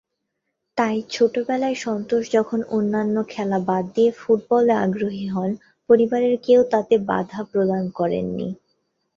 তাই ছোটবেলায় সন্তোষ যখন অন্যান্য খেলা বাদ দিয়ে ফুটবলে আগ্রহী হন, পরিবারের কেউ তাতে বাধা প্রদান করেন নি।